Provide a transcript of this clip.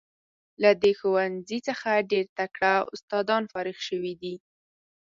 له دې ښوونځي څخه ډیر تکړه استادان فارغ شوي دي.